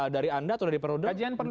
dari anda atau dari perusahaan